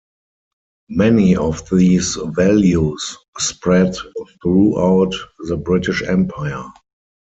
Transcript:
Many of these values spread throughout the British Empire.